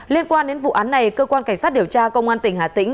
liên quan đến vụ án này cơ quan cảnh sát điều tra công an tỉnh hà tĩnh